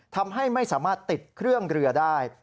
ทำให้ไม่สามารถติดเครื่องเรือได้